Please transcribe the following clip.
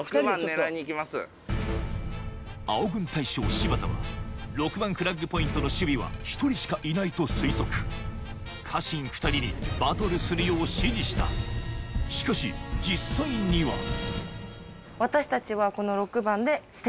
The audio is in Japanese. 青軍大将柴田は６番フラッグポイントの守備は１人しかいないと推測家臣２人にバトルするよう指示したしかし実際には私たちはこの６番でステイ。